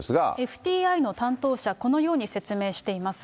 ＦＴＩの担当者、このように説明しています。